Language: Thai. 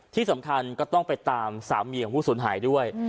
ที่สำคัญก็ต้องไปตามสามีของผู้สูญหายด้วย